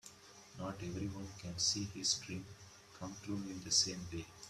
Not everyone can see his dreams come true in the same way.